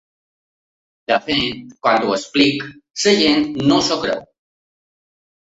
De fet, quan ho explico, la gent no s’ho creu.